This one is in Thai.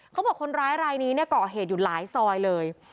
เขาบอกคนร้ายรายนี้เนี่ยเกาะเหตุอยู่หลายซอยเลย